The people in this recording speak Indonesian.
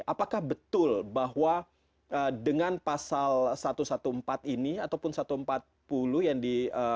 apakah betul bahwa dengan pasal satu ratus empat belas ini ataupun satu ratus empat puluh yang di